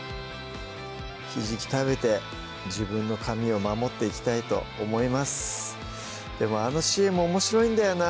ひじき食べて自分の髪を守っていきたいと思いますでもあのＣＭおもしろいんだよな